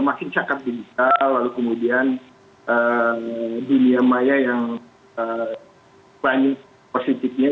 makin cakap digital lalu kemudian dunia maya yang banyak positifnya